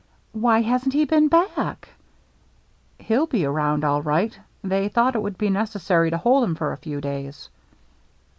"Why hasn't he been back?" " He'll be around all right. They thought it would be necessary to hold him for a few days."